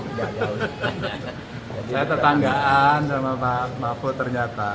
saya tetanggaan sama pak mahfud ternyata